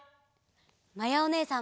まやおねえさんも！